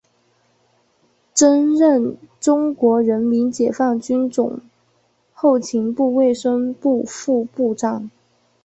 曾任中国人民解放军总后勤部卫生部副部长。